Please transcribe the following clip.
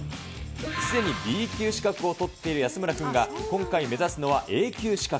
すでにＢ級資格を取っている安村君が今回目指すのは、Ａ級資格。